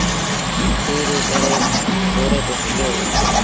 سيٚ ري ڪري گھوڙي تي سُڪي وهُڙو ۔